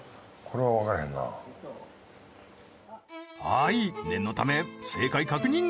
はい念のため正解確認